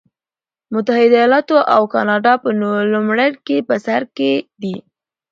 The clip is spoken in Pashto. متحده ایالتونه او کاناډا په نوملړ کې په سر کې دي.